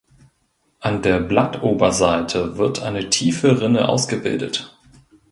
An der Blattoberseite wird eine tiefe Rinne ausgebildet.